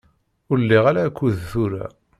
Ur liɣ ara akud tura.